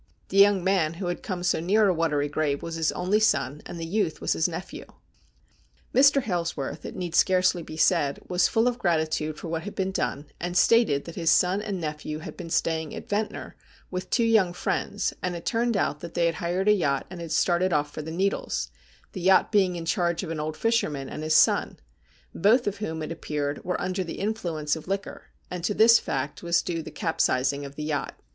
The young man who had come so near a watery grave was his only son, and the youth was his nephew. Mr. Hailsworth, it need scarcely be said, was full of gratitude for what had been done, and stated that his son and nephew had been staying at Ventnor with two young friends, and it turned out that they had hired a yacht, and had started off for the Needles, the yacht being in charge of an old fisherman and his son, both of whom it appeared were under the influence of liquor, and to this fact was due the capsizing of the yacht.